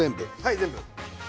全部。